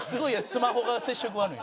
スマホが接触悪い。